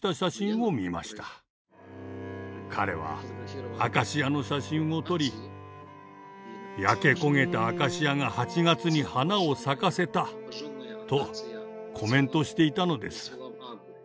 彼はアカシアの写真を撮り「焼け焦げたアカシアが８月に花を咲かせた」とコメントしていたのです。